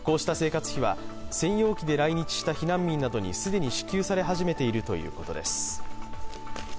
こうした生活費は専用機で来日した避難民などに既に支給され始めているということです。